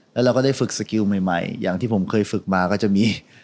แล้วเราก็ได้ฝึกสกิลใหม่อย่างที่ผมเคยฝึกมาก็จะมี